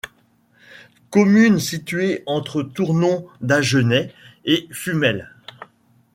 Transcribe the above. Commune située entre Tournon-d'Agenais et Fumel.